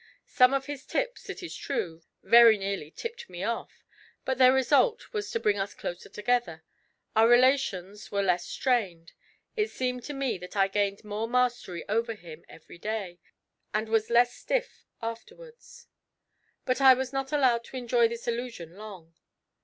Some of his 'tips,' it is true, very nearly tipped me off, but their result was to bring us closer together; our relations were less strained; it seemed to me that I gained more mastery over him every day, and was less stiff afterwards. But I was not allowed to enjoy this illusion long.